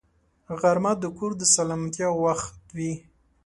غرمه د کور د سلامتیا وخت وي